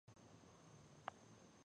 افغانستان کې د غزني په اړه زده کړه کېږي.